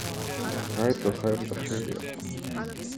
حييت خير تحيه